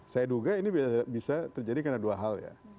saya duga ini bisa terjadi karena dua hal ya